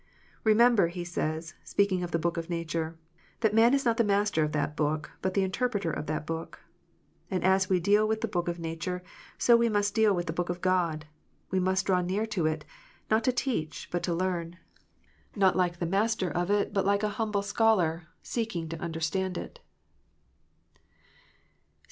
" Remember," he says, speaking of the book of nature, " that man is not the master of that book, but the interpreter of that book." And as we deal with the book of nature, so we must deal with the book of God. We must draw near to it, not to teach, but to learn, not like PHARISEES AND SADDUCEES. 341 the master of it, but like a humble scholar, seeking to under stand it.